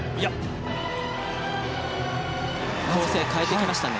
構成を変えてきましたね。